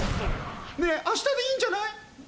ねぇ明日でいいんじゃない？